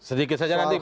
sedikit saja nanti